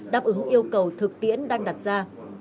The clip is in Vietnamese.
đáp ứng yêu cầu thực tiễn đang đặt ra